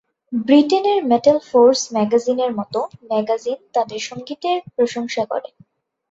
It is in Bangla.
ব্রিটেনের মেটাল ফোর্স ম্যাগাজিনের মতো ম্যাগাজিন তাদের সংগীতের প্রশংসা করে।